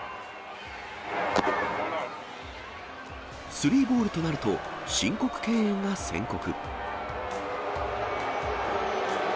スリーボールとなると、申告敬遠が宣告。